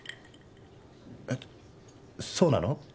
えっそうなの？